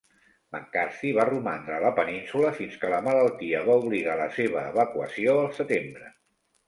McCarthy va romandre a la península fins que la malaltia va obligar la seva evacuació al setembre.